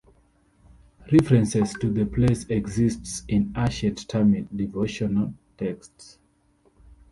References to the place exist in ancient Tamil devotional texts.